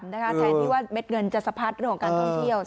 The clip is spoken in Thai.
แทนที่ว่าเม็ดเงินจะสะพัดเรื่องของการท่องเที่ยว